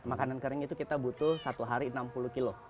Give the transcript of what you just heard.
makanan kering itu kita butuh satu hari enam puluh kilo